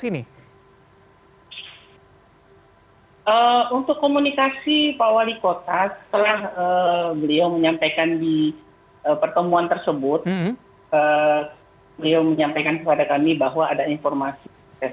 untuk komunikasi pak wali kota setelah beliau menyampaikan di pertemuan tersebut beliau menyampaikan kepada kami bahwa ada informasi